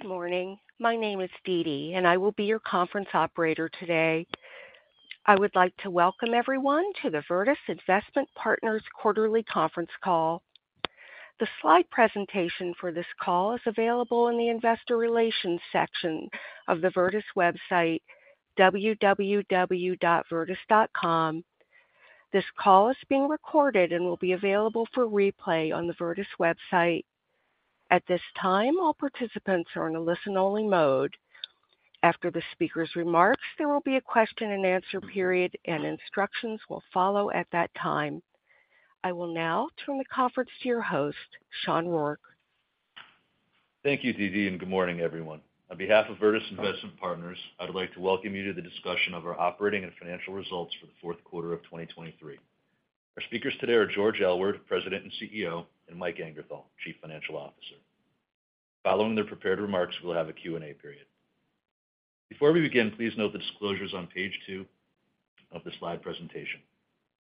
Good morning. My name is DeeDee, and I will be your conference Operator today. I would like to welcome everyone to the Virtus Investment Partners Quarterly Conference Call. The slide presentation for this call is available in the Investor Relations section of the Virtus website, www.virtus.com. This call is being recorded and will be available for replay on the Virtus website. At this time, all participants are in a listen-only mode. After the speaker's remarks, there will be a question-and-answer period, and instructions will follow at that time. I will now turn the conference to your host, Sean Rourke. Thank you, DeeDee, and good morning, everyone. On behalf of Virtus Investment Partners, I would like to welcome you to the discussion of our operating and financial results for the fourth quarter of 2023. Our speakers today are George Aylward, President and CEO, and Mike Angerthal, Chief Financial Officer. Following their prepared remarks, we'll have a Q&A period. Before we begin, please note the disclosures on page two of the slide presentation.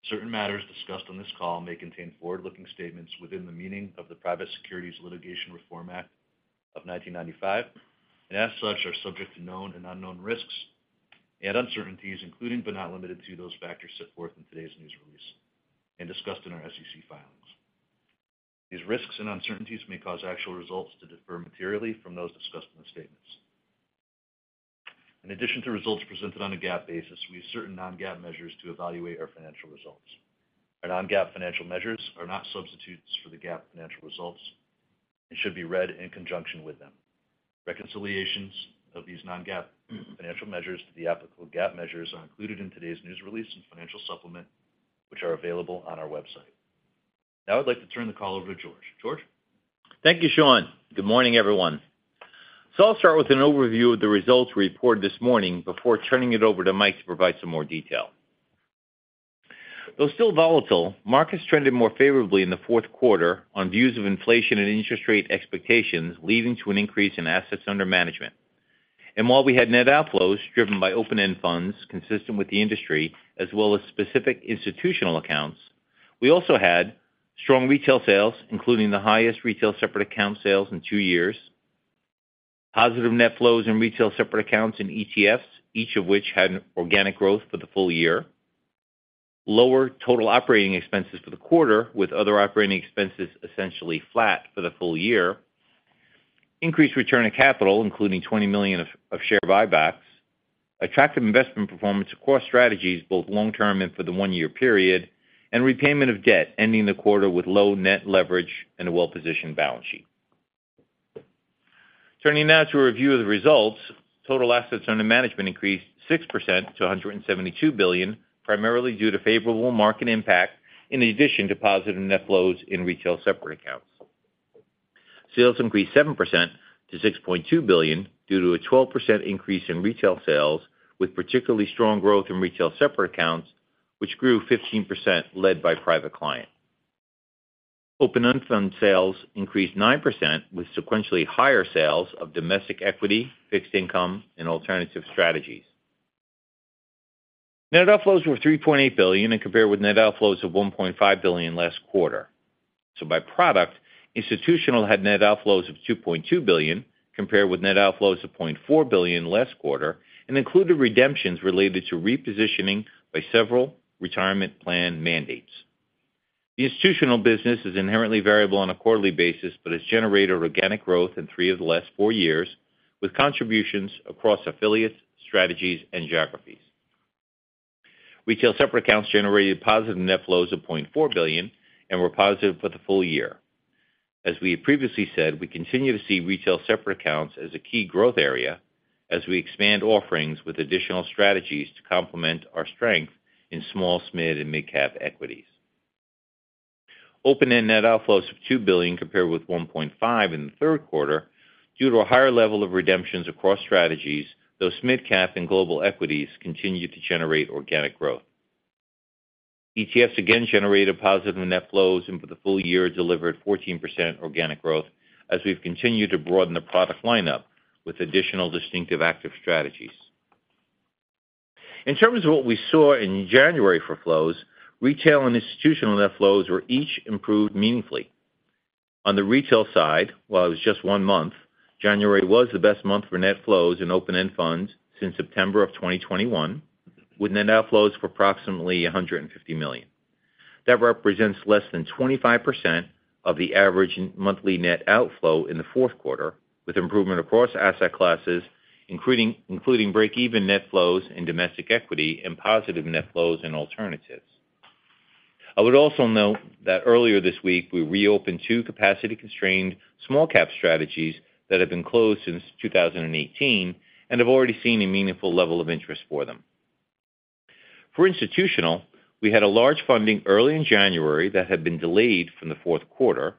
Certain matters discussed on this call may contain forward-looking statements within the meaning of the Private Securities Litigation Reform Act of 1995, and as such, are subject to known and unknown risks and uncertainties, including, but not limited to, those factors set forth in today's news release and discussed in our SEC filings. These risks and uncertainties may cause actual results to differ materially from those discussed in the statements. In addition to results presented on a GAAP basis, we use certain non-GAAP measures to evaluate our financial results. Our non-GAAP financial measures are not substitutes for the GAAP financial results and should be read in conjunction with them. Reconciliations of these non-GAAP financial measures to the applicable GAAP measures are included in today's news release and financial supplement, which are available on our website. Now I'd like to turn the call over to George. George? Thank you, Sean. Good morning, everyone. I'll start with an overview of the results we reported this morning before turning it over to Mike to provide some more detail. Though still volatile, markets trended more favorably in the fourth quarter on views of inflation and interest rate expectations, leading to an increase in Assets Under Management. While we had net outflows driven by open-end funds, consistent with the industry, as well as specific institutional accounts, we also had strong retail sales, including the highest retail separate account sales in two years; positive net flows in retail separate accounts and ETFs, each of which had an organic growth for the full year; lower total operating expenses for the quarter, with other operating expenses essentially flat for the full year; increased return on capital, including $20 million of share buybacks; attractive investment performance across strategies, both long term and for the one-year period; and repayment of debt, ending the quarter with low net leverage and a well-positioned balance sheet. Turning now to a review of the Assets Under Management increased 6% to $172 billion, primarily due to favorable market impact in addition to positive net flows in retail separate accounts. Sales increased 7% to $6.2 billion due to a 12% increase in retail sales, with particularly strong growth in retail separate accounts, which grew 15%, led by private client. Open-end fund sales increased 9%, with sequentially higher sales of domestic equity, fixed income, and alternative strategies. Net outflows were $3.8 billion and compared with net outflows of $1.5 billion last quarter. So by product, institutional had net outflows of $2.2 billion, compared with net outflows of $0.4 billion last quarter, and included redemptions related to repositioning by several retirement plan mandates. The institutional business is inherently variable on a quarterly basis, but has generated organic growth in three of the last four years, with contributions across affiliates, strategies, and geographies. Retail separate accounts generated positive net flows of $0.4 billion and were positive for the full year. As we previously said, we continue to see retail separate accounts as a key growth area as we expand offerings with additional strategies to complement our strength in small, SMID, and mid-cap equities. Open-end net outflows of $2 billion, compared with $1.5 billion in the third quarter, due to a higher level of redemptions across strategies, though mid-cap and global equities continued to generate organic growth. ETFs again generated positive net flows and for the full year, delivered 14% organic growth as we've continued to broaden the product lineup with additional distinctive active strategies. In terms of what we saw in January for flows, retail and institutional net flows were each improved meaningfully. On the retail side, while it was just one month, January was the best month for net flows in open-end funds since September of 2021, with net outflows of approximately $150 million. That represents less than 25% of the average monthly net outflow in the fourth quarter, with improvement across asset classes, including break-even net flows in domestic equity and positive net flows in alternatives. I would also note that earlier this week, we reopened two capacity-constrained small cap strategies that have been closed since 2018 and have already seen a meaningful level of interest for them. For institutional, we had a large funding early in January that had been delayed from the fourth quarter.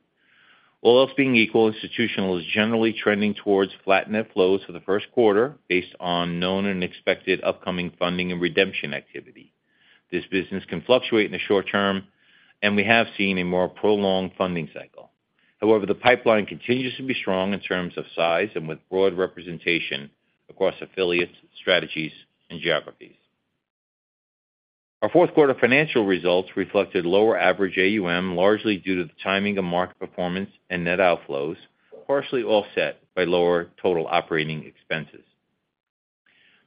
All else being equal, institutional is generally trending towards flat net flows for the first quarter based on known and expected upcoming funding and redemption activity. This business can fluctuate in the short term, and we have seen a more prolonged funding cycle. However, the pipeline continues to be strong in terms of size and with broad representation across affiliates, strategies, and geographies.... Our fourth quarter financial results reflected lower average AUM, largely due to the timing of market performance and net outflows, partially offset by lower total operating expenses.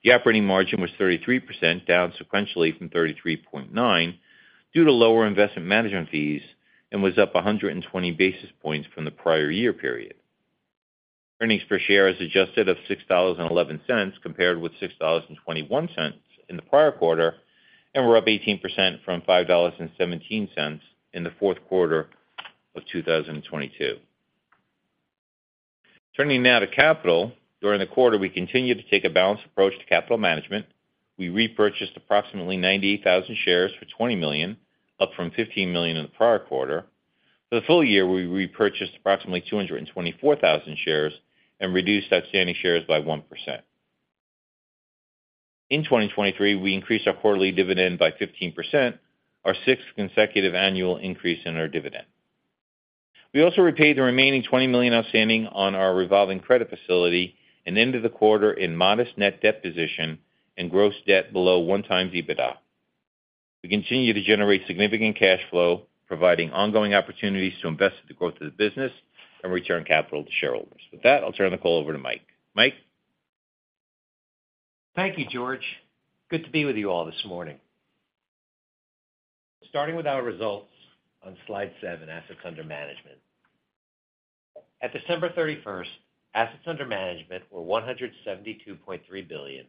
The operating margin was 33%, down sequentially from 33.9, due to lower investment management fees, and was up 120 basis points from the prior year period. Earnings per share as adjusted of $6.11, compared with $6.21 in the prior quarter, and were up 18% from $5.17 in the fourth quarter of 2022. Turning now to capital. During the quarter, we continued to take a balanced approach to capital management. We repurchased approximately 98,000 shares for $20 million, up from $15 million in the prior quarter. For the full year, we repurchased approximately 224,000 shares and reduced outstanding shares by 1%. In 2023, we increased our quarterly dividend by 15%, our sixth consecutive annual increase in our dividend. We also repaid the remaining $20 million outstanding on our revolving credit facility and ended the quarter in modest net debt position and gross debt below 1x EBITDA. We continue to generate significant cash flow, providing ongoing opportunities to invest in the growth of the business and return capital to shareholders. With that, I'll turn the call over to Mike. Mike? Thank you, George. Good to be with you all this morning. Starting with our results on Assets Under Management were $172.3 billion,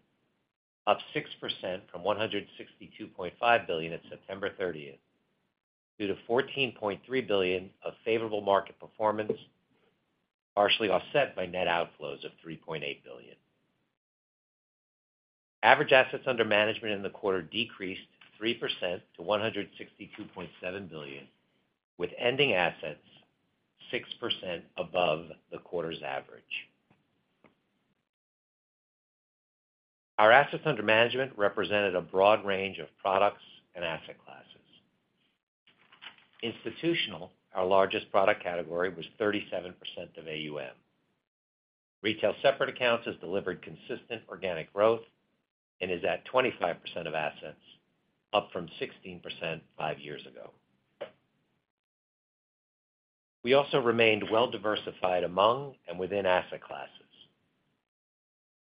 up 6% from $162.5 billion at September 30th, due to $14.3 billion of favorable market performance, partially offset by net outflows of $3.8 Assets Under Management in the quarter decreased 3% to $162.7 billion, with ending assets 6% above the quarter's Assets Under Management represented a broad range of products and asset classes. Institutional, our largest product category, was 37% of AUM. Retail separate accounts has delivered consistent organic growth and is at 25% of assets, up from 16% five years ago. We also remained well-diversified among and within asset classes.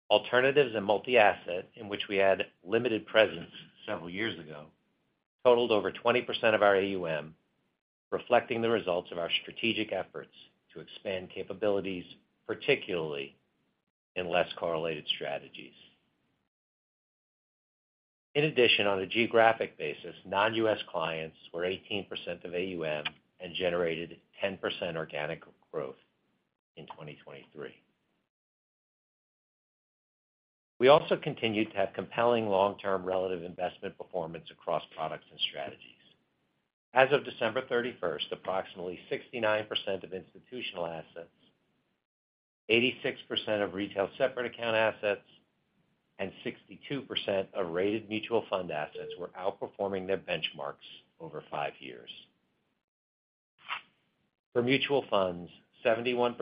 Alternatives and multi-asset, in which we had limited presence several years ago, totaled over 20% of our AUM, reflecting the results of our strategic efforts to expand capabilities, particularly in less correlated strategies. In addition, on a geographic basis, non-U.S. clients were 18% of AUM and generated 10% organic growth in 2023. We also continued to have compelling long-term relative investment performance across products and strategies. As of December 31st, approximately 69% of institutional assets, 86% of retail separate account assets, and 62% of rated mutual fund assets were outperforming their benchmarks over five years. For mutual funds, 71%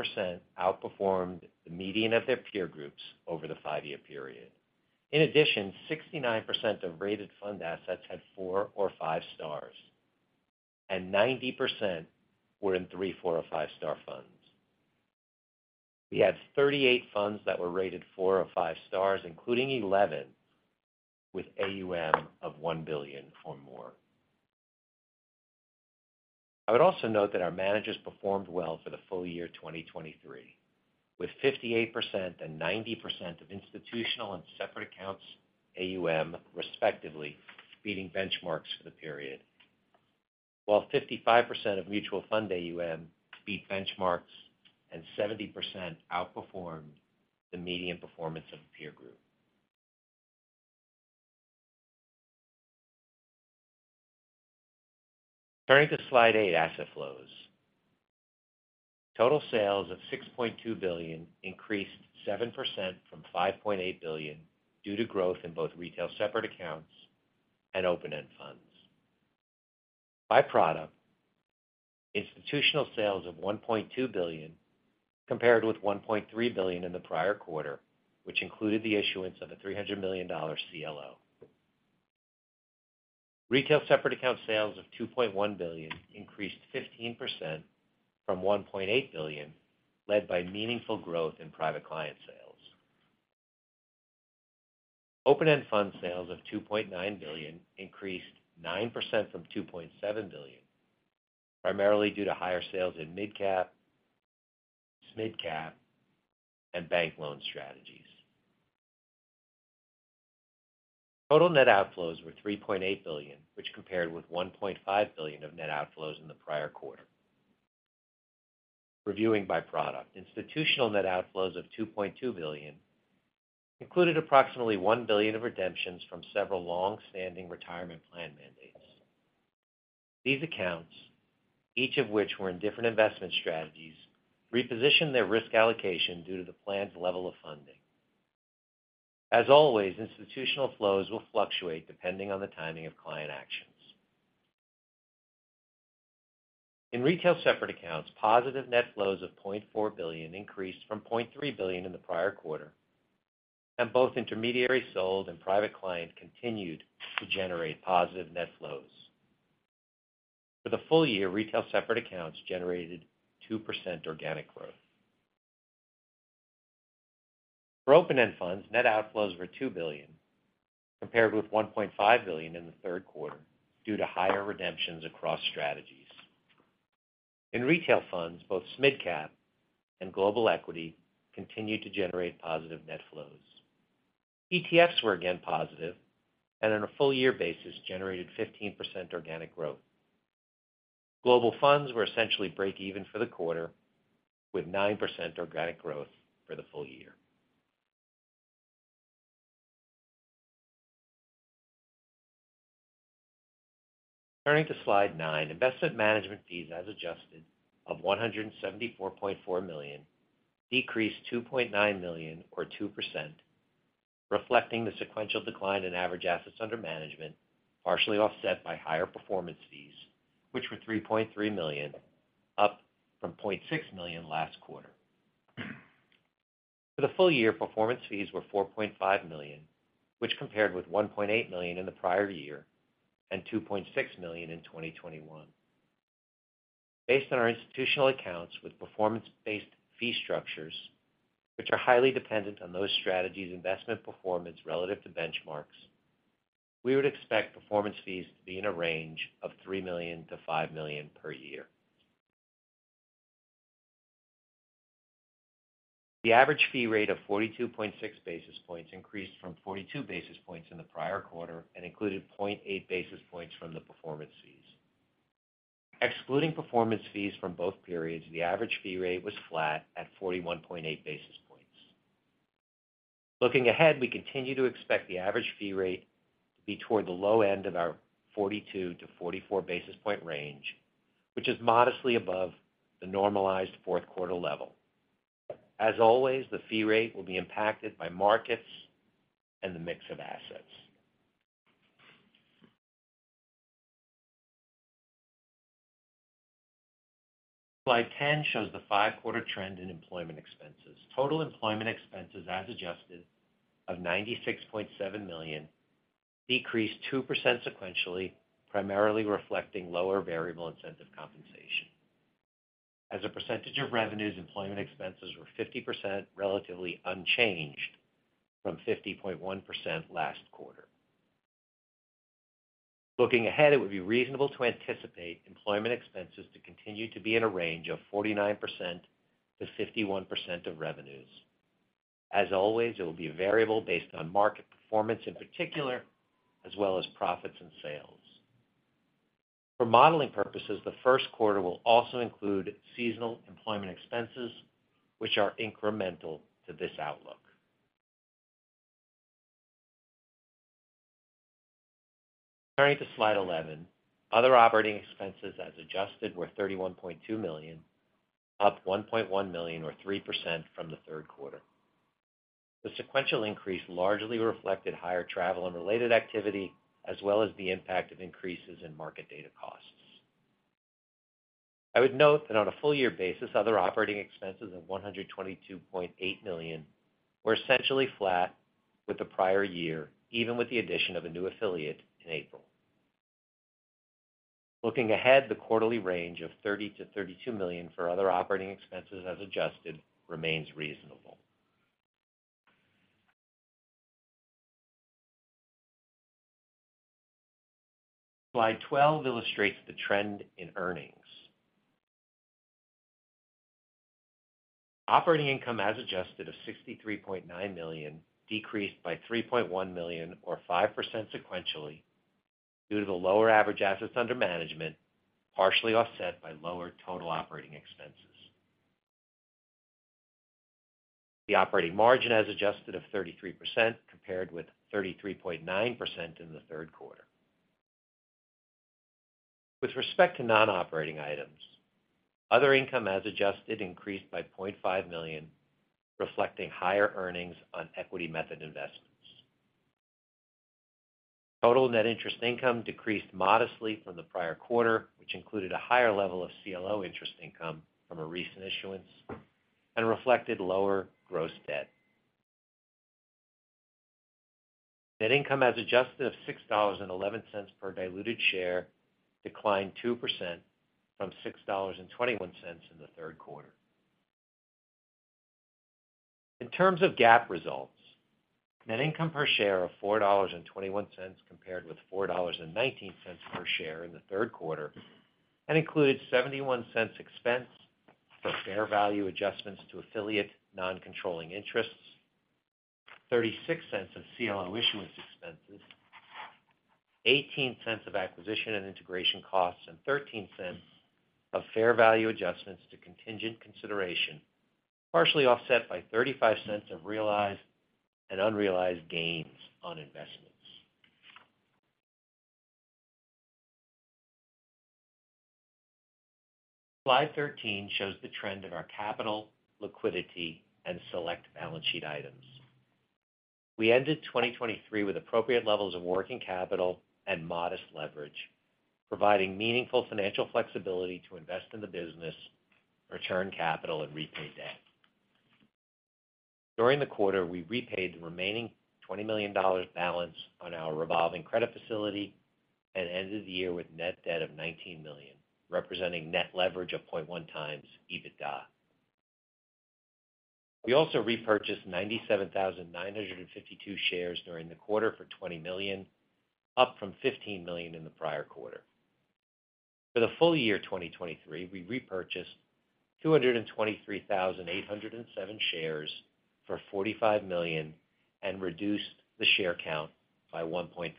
outperformed the median of their peer groups over the five-year period. In addition, 69% of rated fund assets had four or five stars, and 90% were in three, four, or five-star funds. We had 38 funds that were rated four or five stars, including 11 with AUM of $1 billion or more. I would also note that our managers performed well for the full year 2023, with 58% and 90% of institutional and separate accounts AUM, respectively, beating benchmarks for the period, while 55% of mutual fund AUM beat benchmarks and 70% outperformed the median performance of a peer group. Turning to slide eight, Asset Flows. Total sales of $6.2 billion increased 7% from $5.8 billion due to growth in both retail separate accounts and open-end funds. By product, institutional sales of $1.2 billion compared with $1.3 billion in the prior quarter, which included the issuance of a $300 million CLO. Retail separate account sales of $2.1 billion increased 15% from $1.8 billion, led by meaningful growth in private client sales. Open-end fund sales of $2.9 billion increased 9% from $2.7 billion, primarily due to higher sales in mid-cap, mid-cap, and bank loan strategies. Total net outflows were $3.8 billion, which compared with $1.5 billion of net outflows in the prior quarter. Reviewing by product, institutional net outflows of $2.2 billion included approximately $1 billion of redemptions from several long-standing retirement plan mandates. These accounts, each of which were in different investment strategies, repositioned their risk allocation due to the plan's level of funding. As always, institutional flows will fluctuate depending on the timing of client actions.... In retail separate accounts, positive net flows of $0.4 billion increased from $0.3 billion in the prior quarter, and both intermediary sold and private client continued to generate positive net flows. For the full year, retail separate accounts generated 2% organic growth. For open-end funds, net outflows were $2 billion, compared with $1.5 billion in the third quarter, due to higher redemptions across strategies. In retail funds, both SMID-Cap and Global Equity continued to generate positive net flows. ETFs were again positive, and on a full year basis, generated 15% organic growth. Global funds were essentially breakeven for the quarter, with 9% organic growth for the full year. Turning to slide nine, investment management fees as adjusted of $174.4 million decreased $2.9 million or 2%, reflecting the sequential decline Assets Under Management, partially offset by higher performance fees, which were $3.3 million, up from $0.6 million last quarter. For the full year, performance fees were $4.5 million, which compared with $1.8 million in the prior year and $2.6 million in 2021. Based on our institutional accounts with performance-based fee structures, which are highly dependent on those strategies' investment performance relative to benchmarks, we would expect performance fees to be in a range of $3 million-$5 million per year. The average fee rate of 42.6 basis points increased from 42 basis points in the prior quarter and included 0.8 basis points from the performance fees. Excluding performance fees from both periods, the average fee rate was flat at 41.8 basis points. Looking ahead, we continue to expect the average fee rate to be toward the low end of our 42-44 basis point range, which is modestly above the normalized fourth quarter level. As always, the fee rate will be impacted by markets and the mix of assets. Slide 10 shows the five quarter trend in employment expenses. Total employment expenses as adjusted of $96.7 million decreased 2% sequentially, primarily reflecting lower variable incentive compensation. As a percentage of revenues, employment expenses were 50%, relatively unchanged from 50.1% last quarter. Looking ahead, it would be reasonable to anticipate employment expenses to continue to be in a range of 49%-51% of revenues. As always, it will be variable based on market performance, in particular, as well as profits and sales. For modeling purposes, the first quarter will also include seasonal employment expenses, which are incremental to this outlook. Turning to slide 11, other operating expenses as adjusted were $31.2 million, up $1.1 million or 3% from the third quarter. The sequential increase largely reflected higher travel and related activity, as well as the impact of increases in market data costs. I would note that on a full year basis, other operating expenses of $122.8 million were essentially flat with the prior year, even with the addition of a new affiliate in April. Looking ahead, the quarterly range of $30 million-$32 million for other operating expenses as adjusted, remains reasonable. Slide 12 illustrates the trend in earnings. Operating income as adjusted of $63.9 million decreased by $3.1 million or 5% sequentially, due to the Assets Under Management, partially offset by lower total operating expenses. The operating margin as adjusted of 33%, compared with 33.9% in the third quarter. With respect to non-operating items, other income as adjusted increased by $0.5 million, reflecting higher earnings on equity method investments. Total net interest income decreased modestly from the prior quarter, which included a higher level of CLO interest income from a recent issuance and reflected lower gross debt. Net income as adjusted of $6.11 per diluted share, declined 2% from $6.21 in the third quarter. In terms of GAAP results, net income per share of $4.21, compared with $4.19 per share in the third quarter, and included $0.71 expense for fair value adjustments to affiliate non-controlling interests, $0.36 of CLO issuance expenses, $0.18 of acquisition and integration costs, and $0.13 of fair value adjustments to contingent consideration, partially offset by $0.35 of realized and unrealized gains on investments. Slide 13 shows the trend of our capital, liquidity, and select balance sheet items.... We ended 2023 with appropriate levels of working capital and modest leverage, providing meaningful financial flexibility to invest in the business, return capital and repay debt. During the quarter, we repaid the remaining $20 million balance on our revolving credit facility and ended the year with net debt of $19 million, representing net leverage of 0.1x EBITDA. We also repurchased 97,952 shares during the quarter for $20 million, up from $15 million in the prior quarter. For the full year 2023, we repurchased 223,807 shares for $45 million and reduced the share count by 1.3%.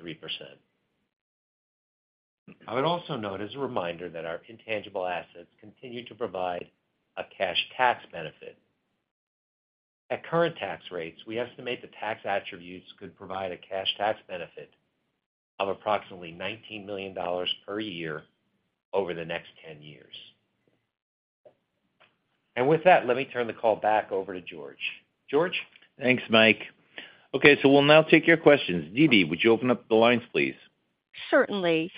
I would also note, as a reminder, that our intangible assets continue to provide a cash tax benefit. At current tax rates, we estimate the tax attributes could provide a cash tax benefit of approximately $19 million per year over the next 10 years. And with that, let me turn the call back over to George. George? Thanks, Mike. Okay, so we'll now take your questions. DeeDee, would you open up the lines, please? Certainly.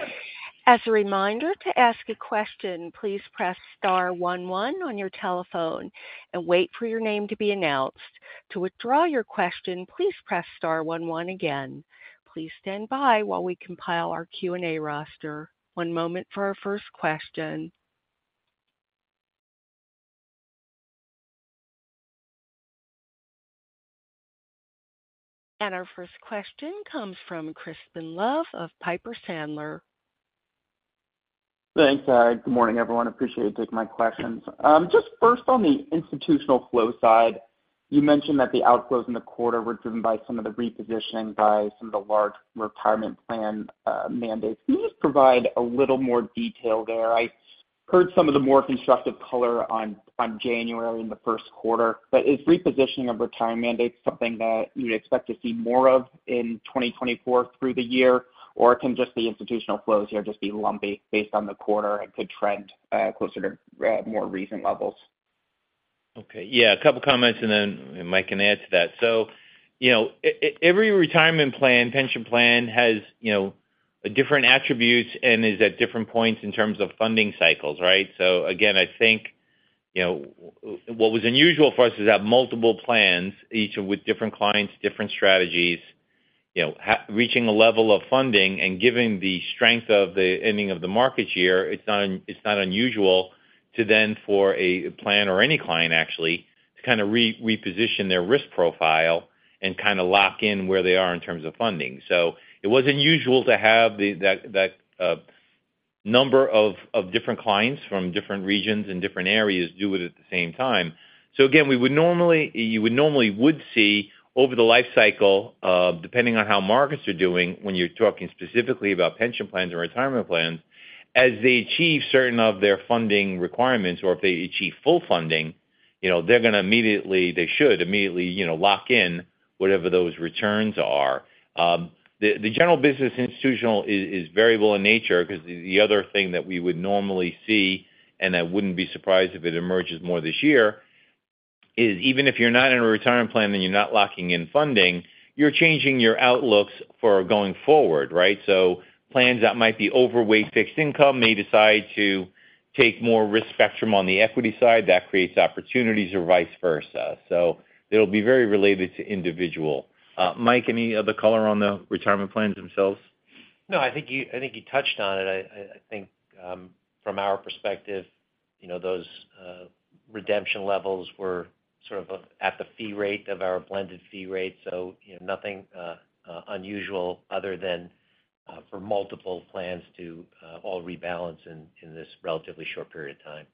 As a reminder, to ask a question, please press star one one on your telephone and wait for your name to be announced. To withdraw your question, please press star one one again. Please stand by while we compile our Q&A roster. One moment for our first question. Our first question comes from Crispin Love of Piper Sandler. Thanks, good morning, everyone. Appreciate you taking my questions. Just first on the institutional flow side, you mentioned that the outflows in the quarter were driven by some of the repositioning by some of the large retirement plan mandates. Can you just provide a little more detail there? I heard some of the more constructive color on January in the first quarter. But is repositioning of retirement mandates something that you'd expect to see more of in 2024 through the year? Or can just the institutional flows here just be lumpy based on the quarter and could trend closer to more recent levels? Okay. Yeah, a couple comments, and then Mike can add to that. So, you know, every retirement plan, pension plan has, you know, different attributes and is at different points in terms of funding cycles, right? So again, I think, you know, what was unusual for us is to have multiple plans, each with different clients, different strategies, you know, reaching a level of funding. And given the strength of the ending of the market year, it's not unusual to then, for a plan or any client actually, to kind of reposition their risk profile and kind of lock in where they are in terms of funding. So it was unusual to have that number of different clients from different regions and different areas do it at the same time. So again, you would normally see over the life cycle, depending on how markets are doing, when you're talking specifically about pension plans or retirement plans, as they achieve certain of their funding requirements or if they achieve full funding, you know, they're gonna immediately, they should immediately, you know, lock in whatever those returns are. The general business institutional is variable in nature because the other thing that we would normally see, and I wouldn't be surprised if it emerges more this year, is even if you're not in a retirement plan and you're not locking in funding, you're changing your outlooks for going forward, right? So plans that might be overweight fixed income may decide to take more risk spectrum on the equity side. That creates opportunities or vice versa. So it'll be very related to individual. Mike, any other color on the retirement plans themselves? No, I think you touched on it. I think from our perspective, you know, those redemption levels were sort of at the fee rate of our blended fee rate. So, you know, nothing unusual other than for multiple plans to all rebalance in this relatively short period of time.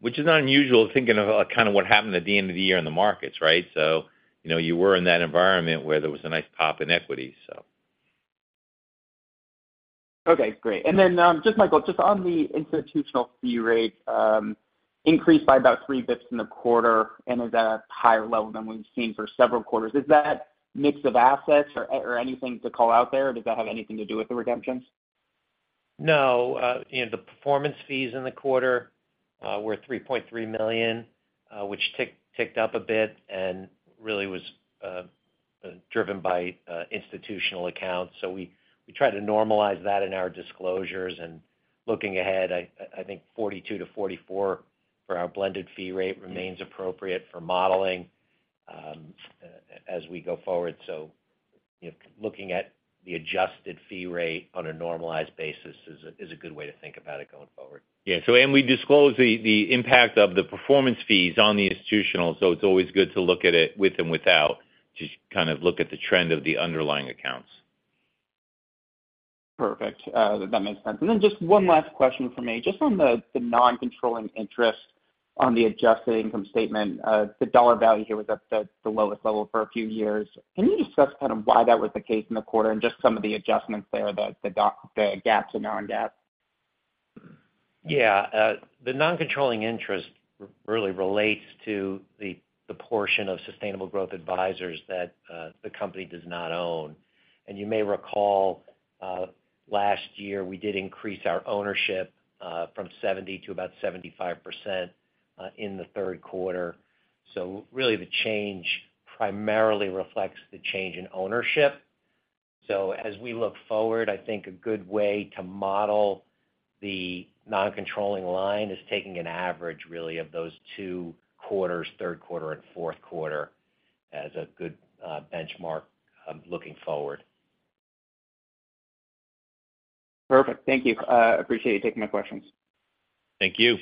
Which is not unusual, thinking of kind of what happened at the end of the year in the markets, right? So, you know, you were in that environment where there was a nice pop in equities, so. Okay, great. And then, just Michael, just on the institutional fee rate, increased by about 3 basis points in the quarter and is at a higher level than we've seen for several quarters. Is that mix of assets or, or anything to call out there, or does that have anything to do with the redemptions? No, you know, the performance fees in the quarter were $3.3 million, which ticked up a bit and really was driven by institutional accounts. So we try to normalize that in our disclosures. And looking ahead, I think 42-44 for our blended fee rate remains appropriate for modeling, as we go forward. So, you know, looking at the adjusted fee rate on a normalized basis is a good way to think about it going forward. Yeah, so we disclose the impact of the performance fees on the institutional, so it's always good to look at it with and without, to kind of look at the trend of the underlying accounts. Perfect, that makes sense. And then just one last question for me. Just on the non-controlling interest on the adjusted income statement, the dollar value here was at the lowest level for a few years. Can you discuss kind of why that was the case in the quarter and just some of the adjustments there, the GAAP, the gaps and non-GAAP? Yeah, the non-controlling interest really relates to the portion of Sustainable Growth Advisers that the company does not own.... You may recall, last year, we did increase our ownership, from 70% to about 75%, in the third quarter. So really, the change primarily reflects the change in ownership. So as we look forward, I think a good way to model the non-controlling line is taking an average, really, of those two quarters, third quarter and fourth quarter, as a good benchmark of looking forward. Perfect. Thank you. Appreciate you taking my questions. Thank you.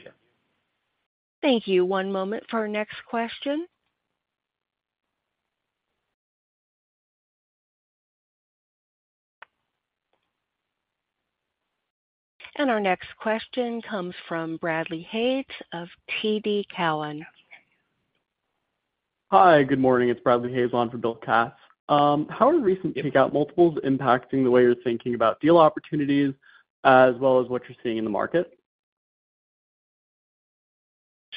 Thank you. One moment for our next question. Our next question comes from Bradley Hays of TD Cowen. Hi, good morning. It's Bradley Hays on for Bill Katz. How are recent takeout multiples impacting the way you're thinking about deal opportunities as well as what you're seeing in the market?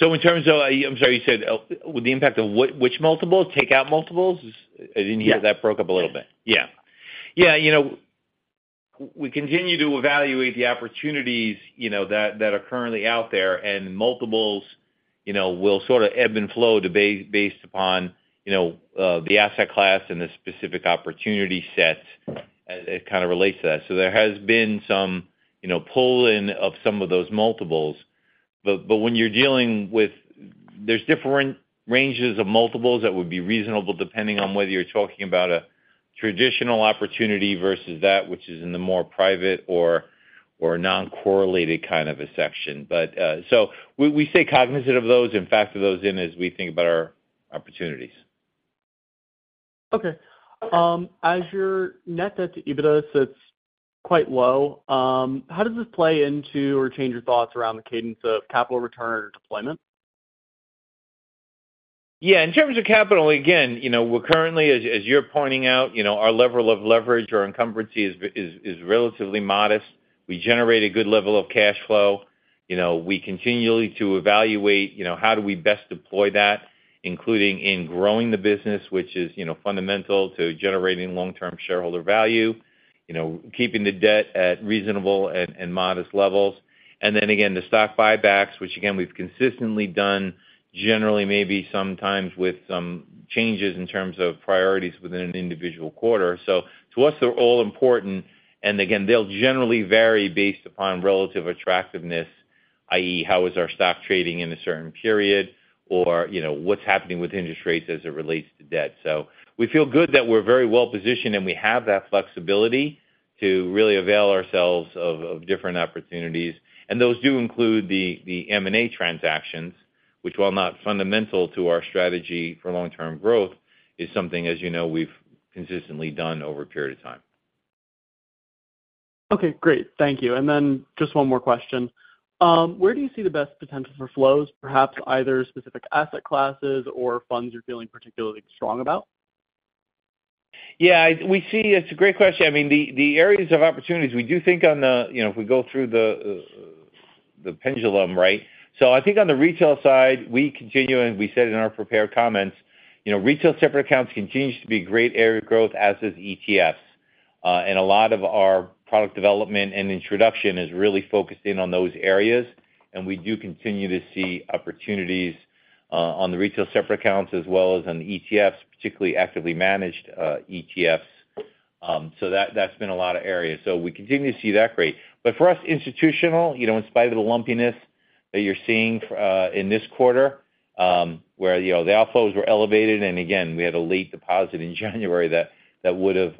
So in terms of, I'm sorry, you said, with the impact of which multiple? Take out multiples? Yes. I didn't hear, that broke up a little bit. Yeah. Yeah, you know, we continue to evaluate the opportunities, you know, that are currently out there, and multiples, you know, will sort of ebb and flow, dictated based upon, you know, the asset class and the specific opportunity set as it kind of relates to that. So there has been some, you know, pull-in of some of those multiples. But when you're dealing with... There's different ranges of multiples that would be reasonable, depending on whether you're talking about a traditional opportunity versus that which is in the more private or non-correlated kind of a section. But so we stay cognizant of those and factor those in as we think about our opportunities. Okay. As your net debt to EBITDA sits quite low, how does this play into, or change your thoughts around the cadence of capital return or deployment? Yeah, in terms of capital, again, you know, we're currently, as you're pointing out, you know, our level of leverage or encumbrance is relatively modest. We generate a good level of cash flow. You know, we continually to evaluate, you know, how do we best deploy that, including in growing the business, which is, you know, fundamental to generating long-term shareholder value. You know, keeping the debt at reasonable and modest levels. And then again, the stock buybacks, which again, we've consistently done generally, maybe sometimes with some changes in terms of priorities within an individual quarter. So to us, they're all important, and again, they'll generally vary based upon relative attractiveness, i.e., how is our stock trading in a certain period? Or, you know, what's happening with interest rates as it relates to debt. So we feel good that we're very well positioned, and we have that flexibility to really avail ourselves of different opportunities. And those do include the M&A transactions, which, while not fundamental to our strategy for long-term growth, is something, as you know, we've consistently done over a period of time. Okay, great. Thank you. And then just one more question. Where do you see the best potential for flows, perhaps either specific asset classes or funds you're feeling particularly strong about? Yeah, we see... It's a great question. I mean, the areas of opportunities, we do think on the, you know, if we go through the pendulum, right? So I think on the retail side, we continue, and we said in our prepared comments, you know, retail separate accounts continues to be a great area of growth, as is ETFs. And a lot of our product development and introduction is really focused in on those areas, and we do continue to see opportunities on the retail separate accounts as well as on the ETFs, particularly actively managed ETFs. So that's been a lot of areas. So we continue to see that great. But for us, institutional, you know, in spite of the lumpiness that you're seeing in this quarter, where the outflows were elevated, and again, we had a late deposit in January that would've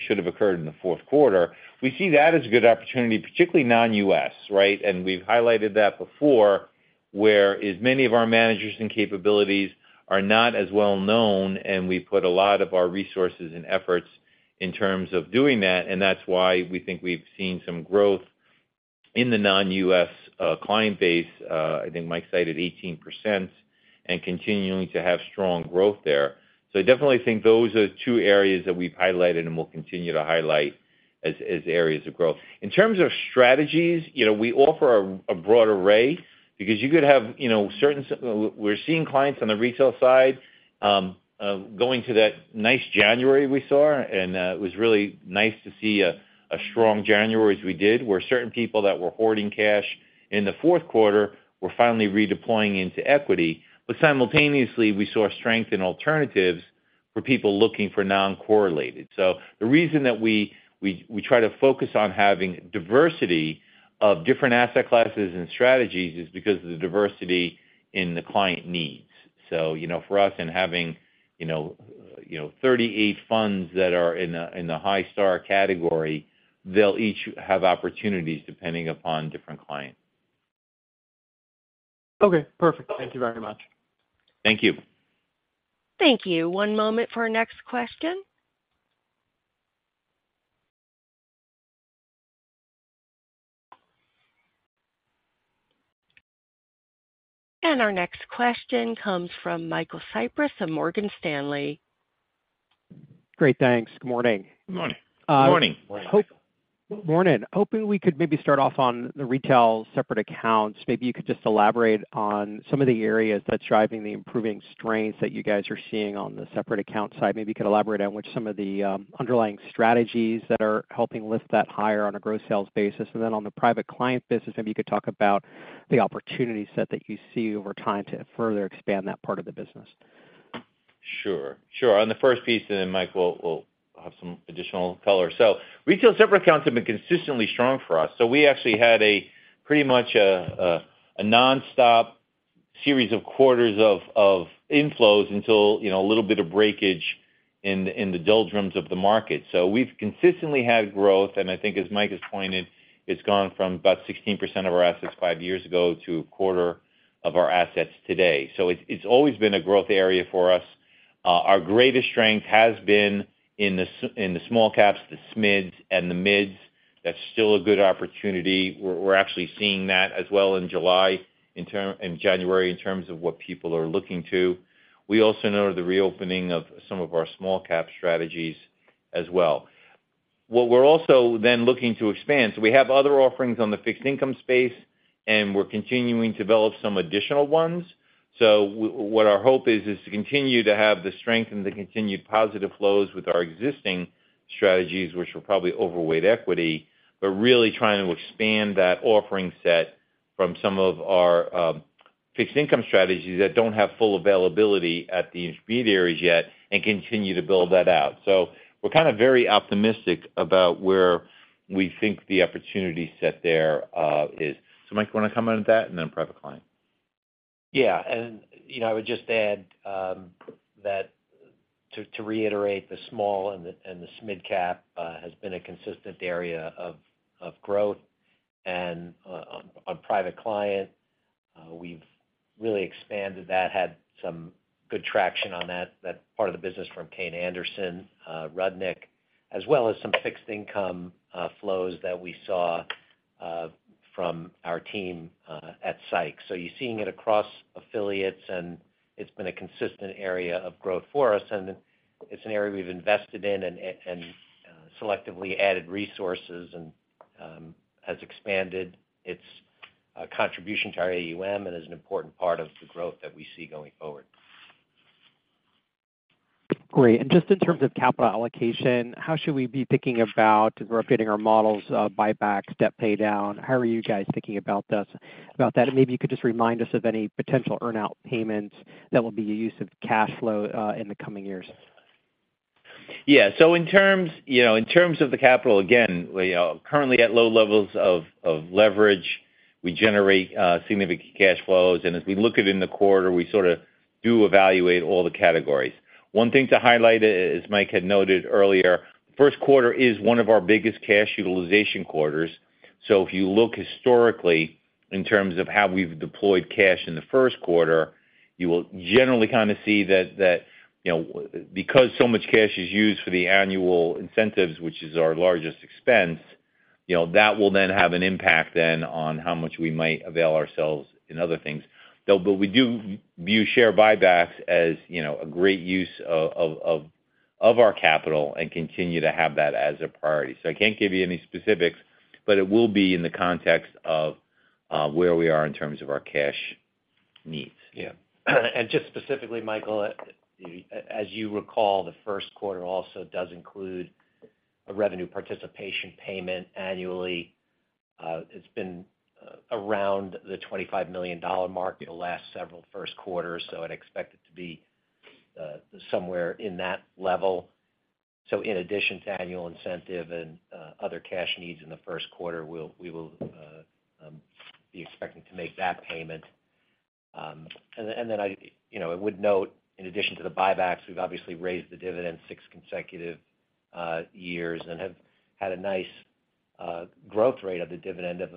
should have occurred in the fourth quarter. We see that as a good opportunity, particularly non-U.S., right? And we've highlighted that before, whereas many of our managers and capabilities are not as well known, and we've put a lot of our resources and efforts in terms of doing that, and that's why we think we've seen some growth in the non-U.S. client base. I think Mike cited 18%, and continuing to have strong growth there. So I definitely think those are two areas that we've highlighted and will continue to highlight as areas of growth. In terms of strategies, you know, we offer a broad array because you could have, you know, certain. We're seeing clients on the retail side going to that nice January we saw, and it was really nice to see a strong January as we did, where certain people that were hoarding cash in the fourth quarter were finally redeploying into equity. But simultaneously, we saw strength in alternatives for people looking for non-correlated. So the reason that we try to focus on having diversity of different asset classes and strategies is because of the diversity in the client needs. So you know, for us, and having, you know, you know, 38 funds that are in a high star category, they'll each have opportunities depending upon different clients. Okay, perfect. Thank you very much. Thank you. Thank you. One moment for our next question. Our next question comes from Michael Cyprys of Morgan Stanley. Great, thanks. Good morning. Good morning. Morning.... Good morning. Hoping we could maybe start off on the retail separate accounts. Maybe you could just elaborate on some of the areas that's driving the improving strengths that you guys are seeing on the separate account side. Maybe you could elaborate on which some of the, underlying strategies that are helping lift that higher on a gross sales basis. And then on the private client business, maybe you could talk about the opportunity set that you see over time to further expand that part of the business. Sure. Sure. On the first piece, and then Mike will have some additional color. So retail separate accounts have been consistently strong for us. So we actually had pretty much a nonstop series of quarters of inflows until, you know, a little bit of breakage in the doldrums of the market. So we've consistently had growth, and I think as Mike has pointed, it's gone from about 16% of our assets five years ago to 25% of our assets today. So it's always been a growth area for us. Our greatest strength has been in the small caps, the SMIDs, and the MIDs. That's still a good opportunity. We're actually seeing that as well in July, in January, in terms of what people are looking to. We also know the reopening of some of our small cap strategies as well. What we're also then looking to expand, so we have other offerings on the fixed income space, and we're continuing to develop some additional ones. So what our hope is, is to continue to have the strength and the continued positive flows with our existing strategies, which will probably overweight equity, but really trying to expand that offering set from some of our fixed income strategies that don't have full availability at the intermediaries yet and continue to build that out. So we're kind of very optimistic about where we think the opportunity set there is. So Mike, you want to comment on that, and then private client? Yeah. And, you know, I would just add, that to reiterate, the small and the SMID-cap has been a consistent area of growth. And, on private client, we've really expanded that, had some good traction on that part of the business from Kayne Anderson Rudnick, as well as some fixed income flows that we saw from our team at Seix. So you're seeing it across affiliates, and it's been a consistent area of growth for us, and it's an area we've invested in and selectively added resources and has expanded its contribution to our AUM and is an important part of the growth that we see going forward. Great. And just in terms of capital allocation, how should we be thinking about updating our models of buybacks, debt paydown? How are you guys thinking about this, about that? And maybe you could just remind us of any potential earn-out payments that will be a use of cash flow, in the coming years. Yeah. So in terms, you know, in terms of the capital, again, we are currently at low levels of leverage. We generate significant cash flows, and as we look at it in the quarter, we sort of do evaluate all the categories. One thing to highlight, as Mike had noted earlier, first quarter is one of our biggest cash utilization quarters. So if you look historically in terms of how we've deployed cash in the first quarter, you will generally kind of see that, that, you know, because so much cash is used for the annual incentives, which is our largest expense, you know, that will then have an impact then on how much we might avail ourselves in other things. But we do view share buybacks as, you know, a great use of our capital and continue to have that as a priority. So I can't give you any specifics, but it will be in the context of where we are in terms of our cash needs. Yeah. And just specifically, Michael, as you recall, the first quarter also does include a revenue participation payment annually. It's been around the $25 million mark the last several first quarters, so I'd expect it to be somewhere in that level. So in addition to annual incentive and other cash needs in the first quarter, we will be expecting to make that payment. And then I, you know, I would note, in addition to the buybacks, we've obviously raised the dividend six consecutive years and have had a nice growth rate of the dividend of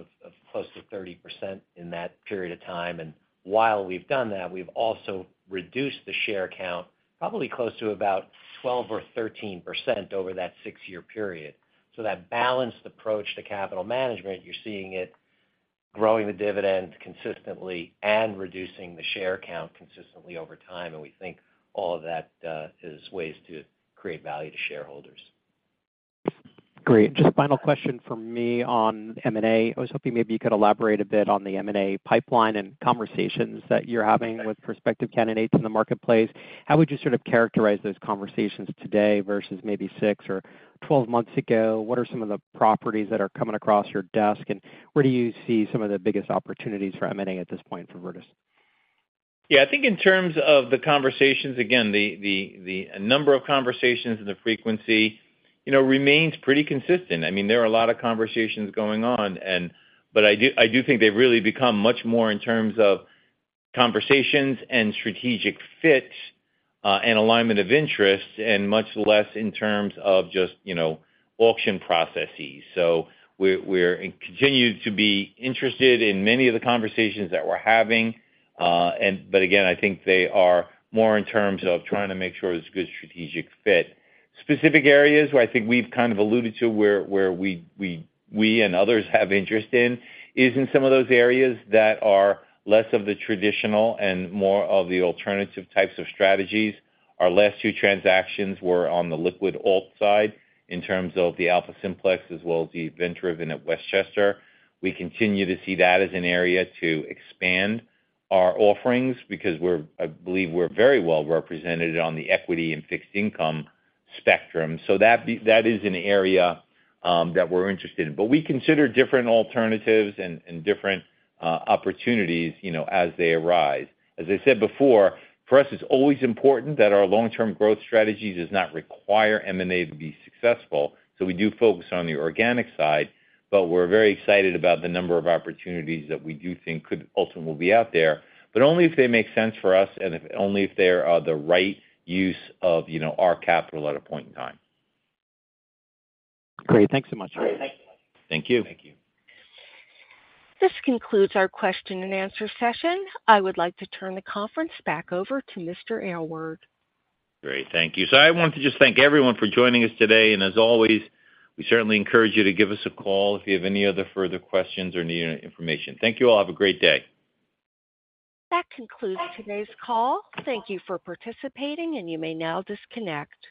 close to 30% in that period of time. And while we've done that, we've also reduced the share count, probably close to about 12% or 13% over that six-year period. So that balanced approach to capital management, you're seeing it growing the dividend consistently and reducing the share count consistently over time, and we think all of that is ways to create value to shareholders. Great. Just final question from me on M&A. I was hoping maybe you could elaborate a bit on the M&A pipeline and conversations that you're having with prospective candidates in the marketplace. How would you sort of characterize those conversations today versus maybe six or 12 months ago? What are some of the properties that are coming across your desk, and where do you see some of the biggest opportunities for M&A at this point for Virtus? Yeah, I think in terms of the conversations, again, the number of conversations and the frequency, you know, remains pretty consistent. I mean, there are a lot of conversations going on, and... but I do think they've really become much more in terms of conversations and strategic fit, and alignment of interest, and much less in terms of just, you know, auction processes. So we're continued to be interested in many of the conversations that we're having. And, but again, I think they are more in terms of trying to make sure there's good strategic fit. Specific areas where I think we've kind of alluded to where we and others have interest in, is in some of those areas that are less of the traditional and more of the alternative types of strategies. Our last two transactions were on the liquid alt side in terms of the AlphaSimplex, as well as the event-driven at Westchester. We continue to see that as an area to expand our offerings because we're, I believe we're very well represented on the equity and fixed income spectrum. So that that is an area, that we're interested in. But we consider different alternatives and, and different, opportunities, you know, as they arise. As I said before, for us, it's always important that our long-term growth strategy does not require M&A to be successful, so we do focus on the organic side, but we're very excited about the number of opportunities that we do think could ultimately be out there, but only if they make sense for us and if, only if they are the right use of, you know, our capital at a point in time. Great. Thanks so much. Great. Thank you. Thank you. This concludes our question-and-answer session. I would like to turn the conference back over to Mr. Aylward. Great, thank you. I want to just thank everyone for joining us today, and as always, we certainly encourage you to give us a call if you have any other further questions or need any information. Thank you all. Have a great day. That concludes today's call. Thank you for participating, and you may now disconnect.